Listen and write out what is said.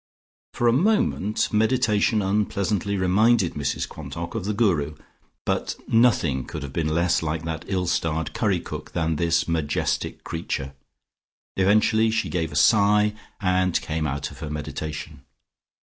For a moment meditation unpleasantly reminded Mrs Quantock of the Guru, but nothing could have been less like that ill starred curry cook than this majestic creature. Eventually she gave a great sigh and came out of her meditation.